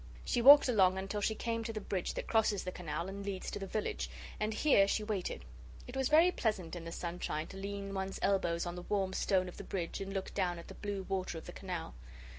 She walked along until she came to the bridge that crosses the canal and leads to the village, and here she waited. It was very pleasant in the sunshine to lean one's elbows on the warm stone of the bridge and look down at the blue water of the canal.